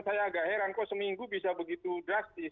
saya agak heran kok seminggu bisa begitu drastis